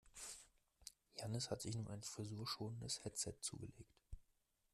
Jannis hat sich nun ein frisurschonendes Headset zugelegt.